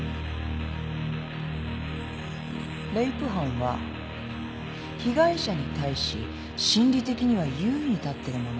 レイプ犯は被害者に対し心理的には優位に立ってるものなの。